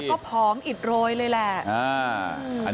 ก็ผอมอิดโรยเลยแหละ